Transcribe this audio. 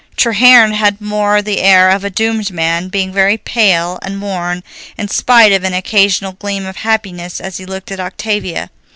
Treherne had more the air of a doomed man, being very pale and worn, in spite of an occasional gleam of happiness as he looked at Octavia.